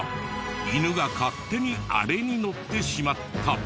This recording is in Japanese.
犬が勝手にあれに乗ってしまった。